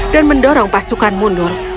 dan mendorong pasukan mundur